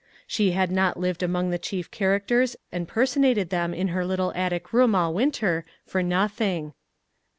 She had not lived among the chief characters and personated them in her little attic room all win 3 2 5 MAG AND MARGARET ter for nothing.